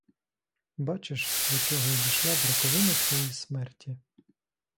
Бачиш, до чого я дійшла в роковини твоєї смерті!